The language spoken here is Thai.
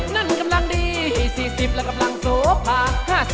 ๓๐นั้นกำลังดี๔๐และร่ำรังสวกพา